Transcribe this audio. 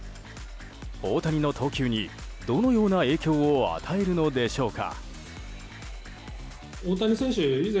大谷の投球にどのような影響を与えるのでしょうか。